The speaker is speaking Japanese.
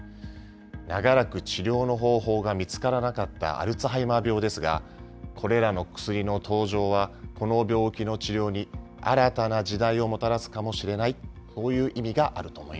長らく治療の方法が見つからなかったアルツハイマー病ですが、これらの薬の登場は、この病気の治療に新たな時代をもたらすかもしれない、そういう意